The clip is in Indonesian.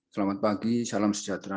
selamat pagi salam sejahtera